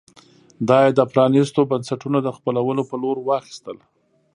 دا یې د پرانېستو بنسټونو د خپلولو په لور واخیستل.